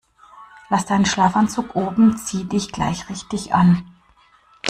Lass deinen Schlafanzug oben, zieh dich gleich richtig an.